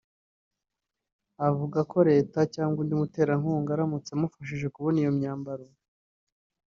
Avuga ko Leta cyangwa undi muterankunga aramutse amufashije kubona iyo myambaro